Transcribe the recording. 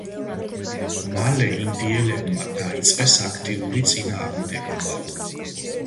მალე ინდიელებმა დაიწყეს აქტიური წინააღმდეგობა.